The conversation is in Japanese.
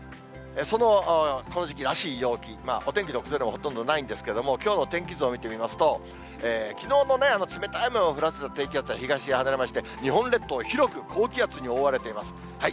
この時期らしい陽気、お天気の崩れもほとんどないんですけれども、きょうの天気図を見てみますと、きのうの冷たい雨を降らせた低気圧は東に離れまして、日本列島、広く高気圧に覆われています。